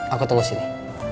aku tunggu sini